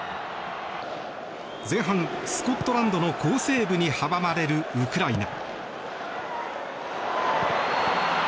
前半、スコットランドの好セーブに阻まれるウクライナ。